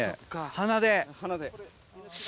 鼻で？